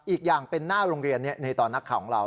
อีกอย่างเป็นหน้าโรงเรียนในตอนนักข่าวของเรา